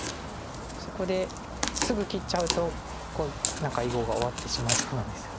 そこですぐ切っちゃうと何か囲碁が終わってしまいそうなんですよね。